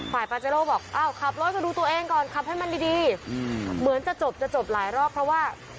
ปาเจโร่บอกอ้าวขับรถมาดูตัวเองก่อนขับให้มันดีเหมือนจะจบจะจบหลายรอบเพราะว่า